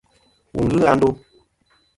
Wù n-ghɨ a ndo.